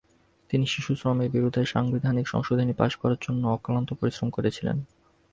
তিনি শিশুশ্রমের বিরুদ্ধে সাংবিধানিক সংশোধনী পাস করার জন্য অক্লান্ত পরিশ্রম করেছিলেন।